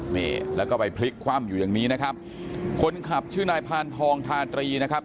นี่แล้วก็ไปพลิกคว่ำอยู่อย่างนี้นะครับคนขับชื่อนายพานทองทาตรีนะครับ